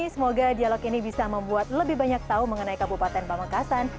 semoga dialog ini bisa membuat lebih banyak tahu mengenai kabupaten pamekasan